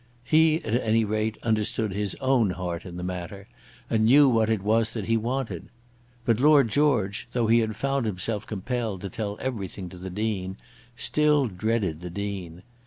He, at any rate, understood his own heart in the matter, and knew what it was that he wanted. But Lord George, though he had found himself compelled to tell everything to the Dean, still dreaded the Dean.